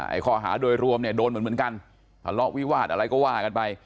ข้อหาโดยรวมเนี่ยโดนเหมือนกันทะเลาะวิวาสอะไรก็ว่ากันไป